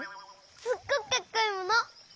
すっごくかっこいいもの！